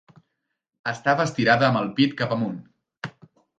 Estava estirada amb el pit cap amunt.